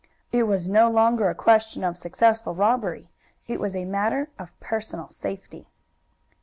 It was no longer a question of successful robbery. It was a matter of personal safety.